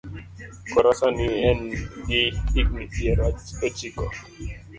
Kora sani en gi higni piero ochiko.